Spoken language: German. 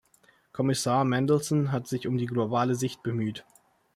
Kommissar Mandelson hat sich um die globale Sicht bemüht.